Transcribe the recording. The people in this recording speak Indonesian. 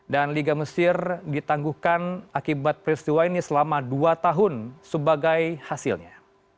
dan liga mesir ditangguhkan akibat peristiwa ini selama dua tahun sebagai hasilnya